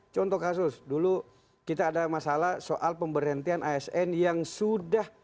contoh kasus dulu kita ada masalah soal pemberhentian asn yang sudah